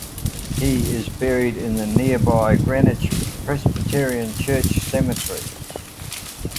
He is buried in the nearby Greenwich Presbyterian Church Cemetery.